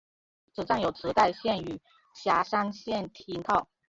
此站有池袋线与狭山线停靠。